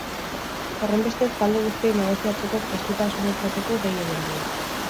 Horrenbestez, talde guztiei negoziatzeko prestutasuna izateko dei egin die.